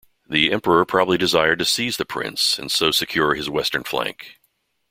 The emperor probably desired to seize the prince and so secure his western flank.